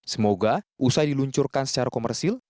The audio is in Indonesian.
semoga usai diluncurkan secara komersil